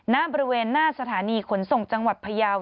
ณบริเวณหน้าสถานีขนส่งจังหวัดพยาว